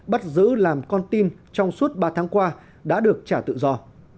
bắt giữ làm con tin trong suốt ba tháng qua đã được trả tự do